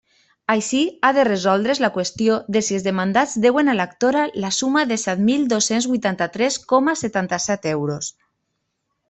Així, ha de resoldre's la qüestió de si els demandats deuen a l'actora la suma de set mil dos-cents huitanta-tres coma setanta-set euros.